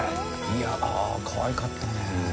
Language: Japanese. いやぁ、かわいかったね。